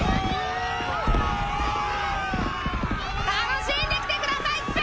楽しんで来てくださいっす！